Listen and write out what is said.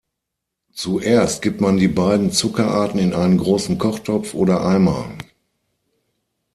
Zuerst gibt man die beiden Zuckerarten in einen großen Kochtopf oder Eimer.